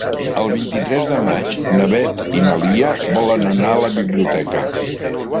El vint-i-tres de maig na Beth i na Lia volen anar a la biblioteca.